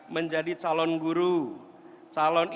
menjadi calon guru calon